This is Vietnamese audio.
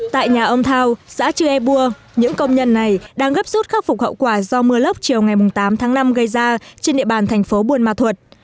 tại nhà ông thao xã chư ea những công nhân này đang gấp rút khắc phục hậu quả do mưa lốc chiều ngày tám tháng năm gây ra trên địa bàn thành phố buôn ma thuật